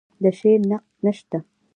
د شعر نقد نشته